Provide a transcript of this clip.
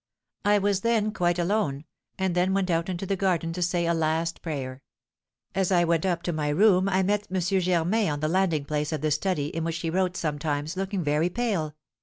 I was then quite alone, and then went out into the garden to to say a last prayer. As I went up to my room I met M. Germain on the landing place of the study in which he wrote sometimes, looking very pale.